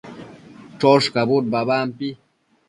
choshcabud babampi